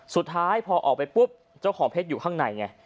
สุดท้ายพอออกไปปุ๊บเจ้าของเพชรอยู่ข้างในไง